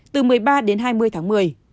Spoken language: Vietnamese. từ một mươi ba đến hai mươi tháng một mươi